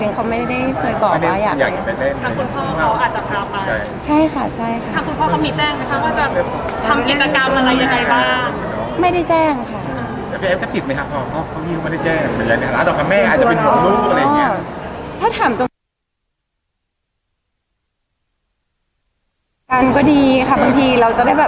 อันนี้คือเขาอยากไปเล่นเองหรือว่ายังไงค่ะที่เขาขอไปเล่นหรือยังไง